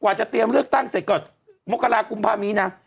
กว่าจะเตรียมเลือกตั้งเสกก่อนมกรค์กุมภามินา